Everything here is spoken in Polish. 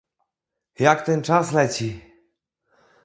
"Jak ten czas leci!..."